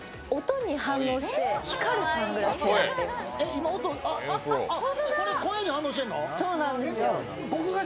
今、音、声に反応してるの？